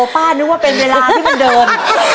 ป้านึกว่าเป็นเวลาที่มันเดิน